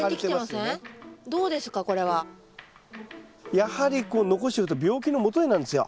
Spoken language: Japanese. やはり残しておくと病気のもとになるんですよ。